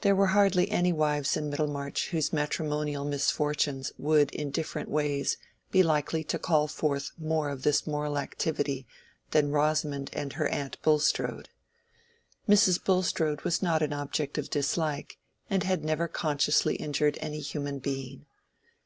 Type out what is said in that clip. There were hardly any wives in Middlemarch whose matrimonial misfortunes would in different ways be likely to call forth more of this moral activity than Rosamond and her aunt Bulstrode. Mrs. Bulstrode was not an object of dislike, and had never consciously injured any human being.